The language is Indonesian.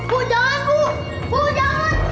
bu jangan bu